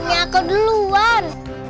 punya aku duluan